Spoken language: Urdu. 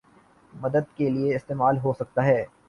مدد کے لیے استعمال ہو سکتا ہے